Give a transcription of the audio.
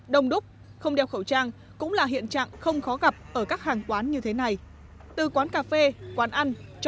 đồng đúc không đeo khẩu trang không đeo khẩu trang